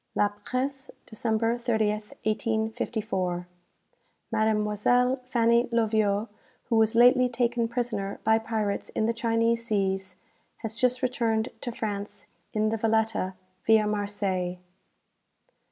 '" "La Presse," December 30th, 1854. "Mademoiselle Fanny Loviot, who was lately taken prisoner by pirates in the Chinese seas, has just returned to France in the 'Valetta,' via Marseilles."